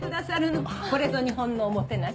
これぞ日本のおもてなし。